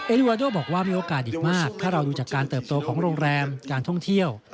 ลิวาโดบอกว่ามีโอกาสอีกมากถ้าเราดูจากการเติบโตของโรงแรมการท่องเที่ยว